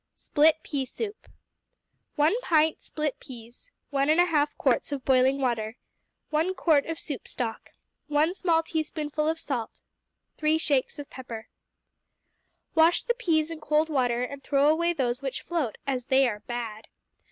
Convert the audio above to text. Split Pea Soup 1 pint split peas. 1 1/2 quarts of boiling water. 1 quart of soup stock. 1 small teaspoonful of salt. 3 shakes of pepper. Wash the peas in cold water and throw away those which float, as they are bad.